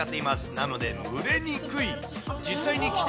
なので蒸れにくい。